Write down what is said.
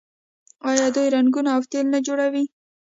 آیا دوی رنګونه او تیل نه جوړوي؟